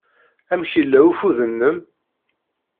Amek yella ufud-nnem?